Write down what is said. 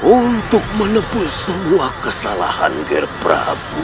untuk menembus semua kesalahan nger prabu